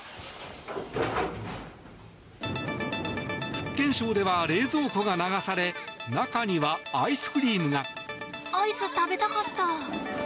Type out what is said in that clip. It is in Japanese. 福建省では冷蔵庫が流され中にはアイスクリームが。